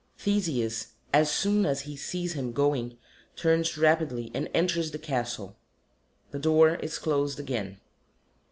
_ THESEUS, _as soon as he sees him going, turns rapidly and enters the Castle. The door is closed again.